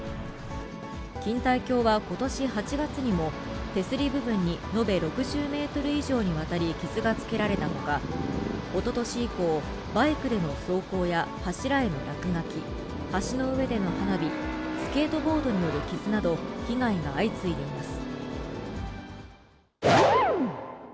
錦帯橋はことし８月にも、手すり部分に延べ６０センチ以上にわたり傷がつけられたほか、おととし以降、バイクでの走行や柱への落書き、橋の上での花火、スケートボードによる傷など、被害が相次いでいます。